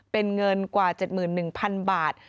เป็นเงินกว่า๗๑๐๐๐บาท